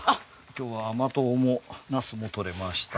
今日は甘唐もナスもとれました。